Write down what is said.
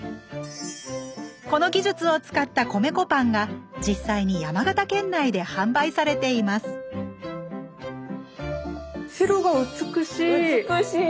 この技術を使った米粉パンが実際に山形県内で販売されています美しい！